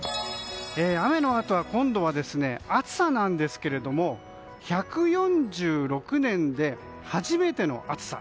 雨のあとは今度は暑さなんですけれども１４６年で初めての暑さ。